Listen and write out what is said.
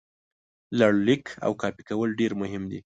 لړلیک او کاپي کول ډېر مهم دي.